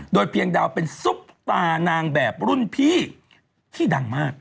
โดยเพียงดาวเป็นซุปตานางแบบรุ่นพี่ที่ดังมาก